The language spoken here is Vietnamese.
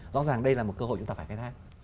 rõ ràng đây là một cơ hội chúng ta phải khai thác